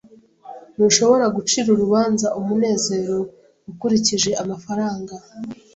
Ntushobora gucira urubanza umunezero ukurikije amafaranga.